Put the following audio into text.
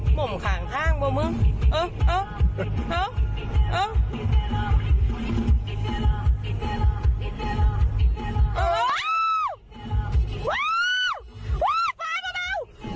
หม่มข่างข้างบ่มึงเออเออเออ